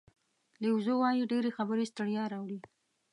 لیو زو وایي ډېرې خبرې ستړیا راوړي.